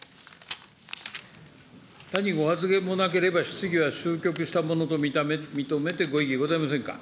他にご発言もなければ、質疑は終局したものと認めてご異議ございませんか。